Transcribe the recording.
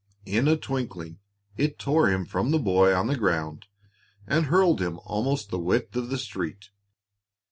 In a twinkling it tore him from the boy on the ground and hurled him almost the width of the street.